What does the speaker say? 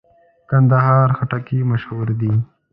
کندهاري خټکی مشهور دی.